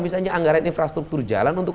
misalnya anggaran infrastruktur jalan untuk